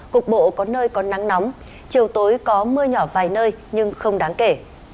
cục bộ có nơi có nắng nóng chiều tối có mưa nhỏ vài nơi nhưng không đáng kể